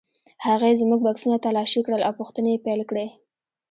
هغې زموږ بکسونه تالاشي کړل او پوښتنې یې پیل کړې.